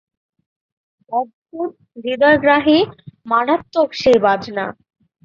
অদ্ভুত, হৃদয়গ্রাহী, মারাত্মক সেইবাজনা।